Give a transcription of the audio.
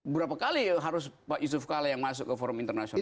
berapa kali harus pak yusuf kala yang masuk ke forum internasional